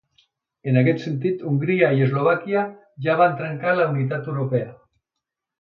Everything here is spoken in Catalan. En aquest sentit, Hongria i Eslovàquia ja van trencar la unitat europea.